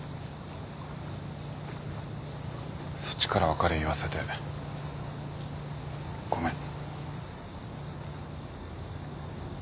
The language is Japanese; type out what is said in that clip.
そっちから別れ言わせてごめん。